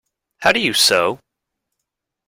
How do you sew?